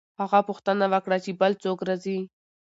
هغه پوښتنه وکړه چې بل څوک راځي؟